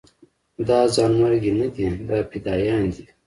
دا ځانمرګي نه دي دا فدايان دي.